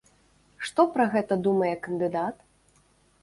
Што пра гэта думае кандыдат?